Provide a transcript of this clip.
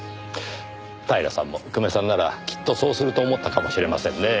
平さんも久米さんならきっとそうすると思ったかもしれませんね。